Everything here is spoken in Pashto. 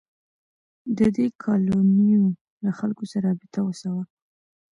د دې کالونیو له خلکو سره رابطه غوڅه وه.